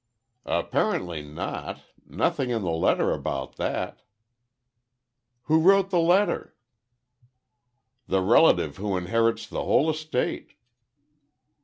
"Apparently not. Nothing in the letter about that." "Who wrote the letter?" "The relative who inherits the whole estate."